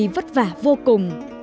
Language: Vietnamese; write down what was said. và vô cùng